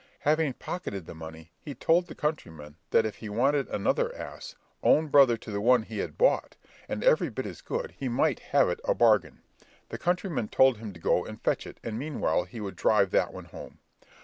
Having pocketed the money, he told the countryman that if he wanted another ass, own brother to the one he had bought, and every bit as good, he might have it a bargain. The countryman told him to go and fetch it, and meanwhile he would drive that one home.